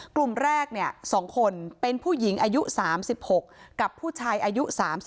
กลุ่มแรก๒คนเป็นผู้หญิงอายุ๓๖กับผู้ชายอายุ๓๒